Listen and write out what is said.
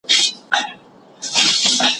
فتح کړی یې ایران او خراسان دی